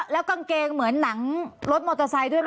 แล้วกางเกงเหมือนหนังรถมอเตอร์ไซค์ด้วยไหม